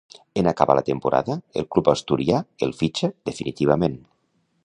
En acabar la temporada, el club asturià el fitxa definitivament.